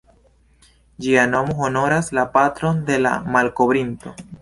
Ĝia nomo honoras la patron de la malkovrinto.